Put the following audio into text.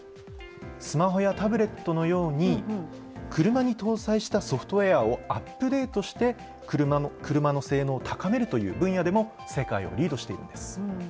スマホやタブレットのように車に搭載したソフトウエアをアップデートして車の性能を高めるという分野でも世界をリードしているんです。